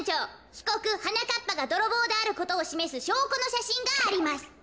ひこくはなかっぱがどろぼうであることをしめすしょうこのしゃしんがあります。